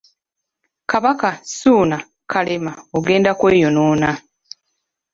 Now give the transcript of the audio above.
Kabaka, Ssuuna, Kalema, Ogenda kweyonoona.